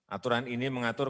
aturan ini mengatur